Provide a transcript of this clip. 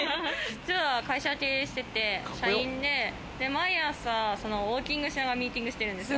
実は会社を経営していて、社員で毎朝ウォーキングしながらミーティングしてるんです。